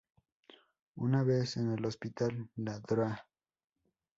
Una vez en el hospital, la Dra.